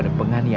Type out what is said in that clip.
udah pulang papa